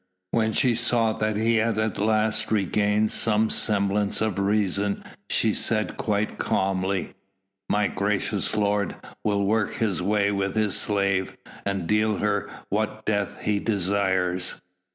When she saw that he had at last regained some semblance of reason she said quite calmly: "My gracious lord will work his way with his slave, and deal her what death he desires."